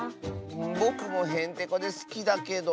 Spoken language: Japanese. ぼくもへんてこですきだけど。